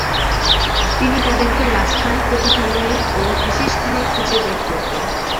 তিনি তাদেরকে রাস্তায়, পতিতালয়ে ও হাশিশখানায় খুঁজে বের করতেন।